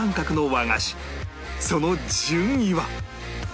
その順位は？